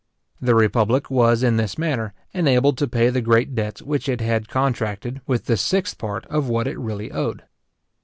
The republic was, in this manner, enabled to pay the great debts which it had contracted with the sixth part of what it really owed.